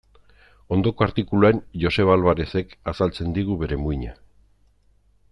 Ondoko artikuluan Joseba Alvarerezek azaltzen digu bere muina.